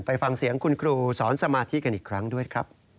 ไปฟังเสียงคุณครูสอนสมาธิกันอีกครั้งด้วยครับ